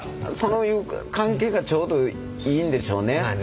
そういう関係がちょうどいいんでしょうね。